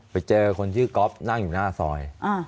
ไปเจอคนชื่อก๊อฟนั่งอยู่หน้าซอย